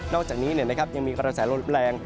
อกจากนี้ยังมีกระแสลมแรง